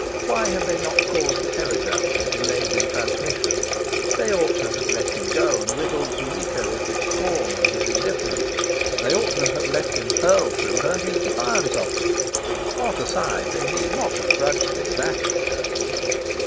Why had they not caused the telegram to be delayed in transmission? They ought to have let him go and riddle Zuleika with his scorn and his indifference. They ought to have let him hurl through her his defiance of them. Art aside, they need not have grudged him that excursion.